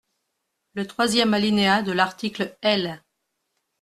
Le troisième alinéa de l’article L.